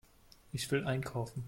Ich will einkaufen.